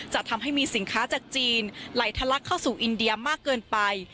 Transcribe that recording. จะทำให้มีสินค้าจากจีนไหลทะลักเข้าสู่อินเดียมากเกินไป